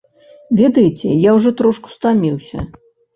Ведаеце, я ўжо трошку стаміўся.